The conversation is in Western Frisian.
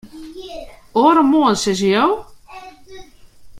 Oaremoarn, sizze jo?